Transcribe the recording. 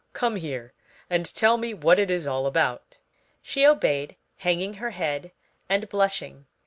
"Come here, and tell me what it is all about." She obeyed, hanging her head and blushing.